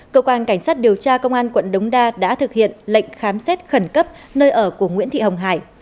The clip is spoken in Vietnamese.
cơ quan cảnh sát điều tra công an quận đống đa đã thực hiện lệnh khám xét khẩn cấp nơi ở của nguyễn thị hồng hải